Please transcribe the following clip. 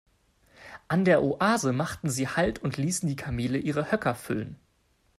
An der Oase machten sie Halt und ließen die Kamele ihre Höcker füllen.